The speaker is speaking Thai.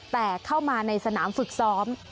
แต่เข้ามาในสนามฝึกซ้อม